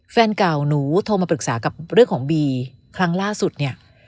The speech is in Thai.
แฟนเก่าหนูโทรมาปรึกษากับเรื่องของบีครั้งล่าสุดเนี่ย